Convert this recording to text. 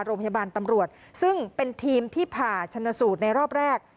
โรงพยาบาลตำรวจซึ่งเป็นทีมที่ผ่าชนสูตรในรอบแรก